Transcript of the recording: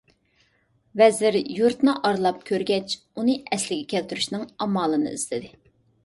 ۋەزىر يۇرتنى ئارىلاپ كۆرگەچ ئۇنى ئەسلىگە كەلتۈرۈشنىڭ ئامالىنى ئىزدىدى.